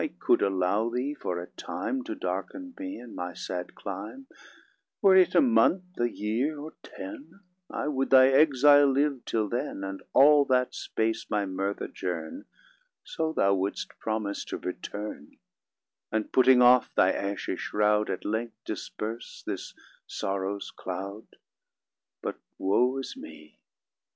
I could allow thee, for a time, To darken me and my sad clime, 40 Were it a month, a year, or ten, I would thy exile live till then; And all that space my mirth adjourn, So thou wouldst promise to return; And putting off thy ashy shroud, At length disperse this sorrow's cloud. But woe is me!